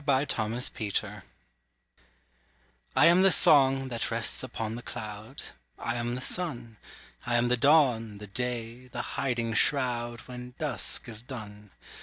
I AM THE WORLD I am the song, that rests upon the cloud; I am the sun: I am the dawn, the day, the hiding shroud, When dusk is done.